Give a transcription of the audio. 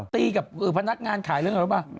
ตีกับพนักงานขายเรื่องอะไรรู้ป่ะ